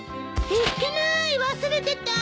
いっけなーい忘れてた！